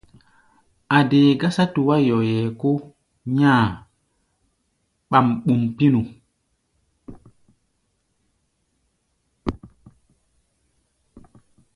A̧ dee gásá tuá-yoyɛ kó nyá̧-a̧ ɓam-ɓum pínu.